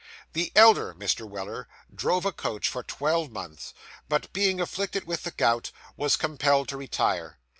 The elder Mr. Weller drove a coach for twelve months, but being afflicted with the gout, was compelled to retire.